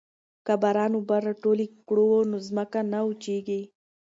که باران اوبه راټولې کړو نو ځمکه نه وچیږي.